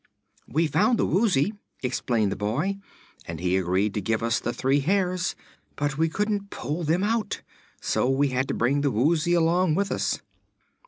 "We found the Woozy," explained the boy, "and he agreed to give us the three hairs; but we couldn't pull them out. So we had to bring the Woozy along with us."